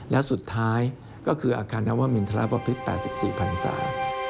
และสุดท้ายก็คืออาคารนวมินทรปภิษ๘๔พันศา